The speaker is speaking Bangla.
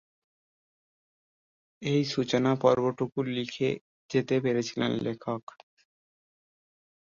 এই সূচনা-পর্বটুকু লিখে যেতে পেরেছিলেন লেখক।